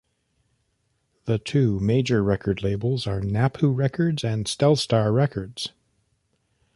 The two major local record labels are Napu Records and StelStar Records.